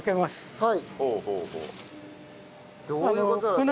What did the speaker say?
はい。